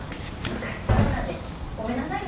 昔からなんでごめんなさいね